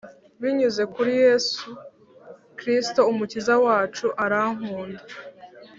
binyuze kuri Yesu Kristo Umukiza wacu arankunda